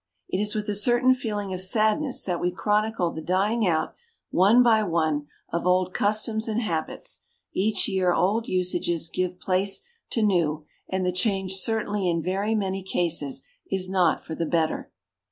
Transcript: "It is with a certain feeling of sadness that we chronicle the dying out, one by one, of old customs and habits. Each year old usages give place to new, and the change certainly in very many cases is not for the better.